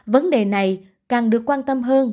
vấn đề này càng được quan tâm hơn